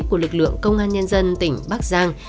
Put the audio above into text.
của lực lượng công an nhân dân tỉnh bắc giang